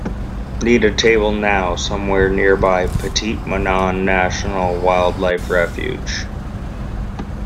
need a table now somewhere nearby Petit Manan National Wildlife Refuge